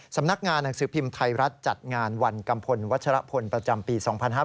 สำนักงานหนังสือพิมพ์ไทยรัฐจัดงานวันกัมพลวัชรพลประจำปี๒๕๕๙